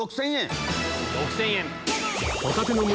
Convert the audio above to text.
６０００円！